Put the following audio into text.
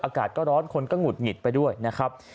อากาศก็ร้อนคนก็หงุดหงิดไปด้วยนะครับ